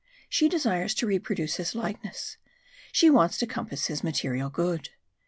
She desires to reproduce his likeness, she wants to compass his material good.